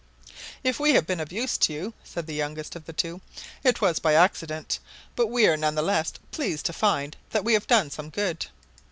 "If we have been of use to you," said the youngest of the two, "it was by accident, but we are none the less pleased to find that we have done some good."